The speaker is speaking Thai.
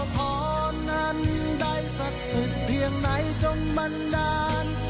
พอนั้นได้ศักดิ์สุดเพียงไหนจงมันดาน